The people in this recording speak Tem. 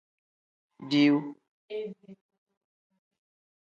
Diiwu.